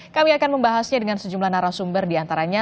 kami akan membahasnya dengan sejumlah narasumber diantaranya